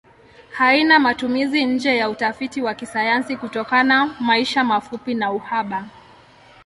Haina matumizi nje ya utafiti wa kisayansi kutokana maisha mafupi na uhaba.